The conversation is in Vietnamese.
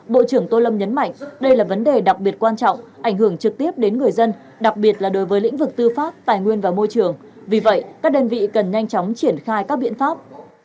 bộ trưởng tô lâm nhấn mạnh đây là vấn đề đặc biệt quan trọng ảnh hưởng trực tiếp đến người dân đặc biệt là đối với lĩnh vực tư pháp tài nguyên và môi trường vì vậy các đơn vị cần nhanh chóng triển khai các biện pháp